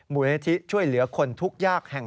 มูลนิธิช่วยเหลือคนทุกยากแห่ง